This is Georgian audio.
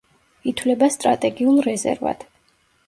ითვლება სტრატეგიულ რეზერვად.